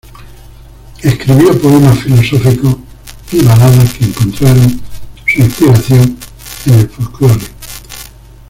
Escribió poemas filosóficos y baladas que encontraron su inspiración en el folclore.